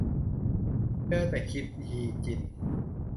เจอแต่คิมฮีจิน